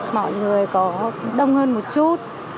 mọi người có đông hơn một chút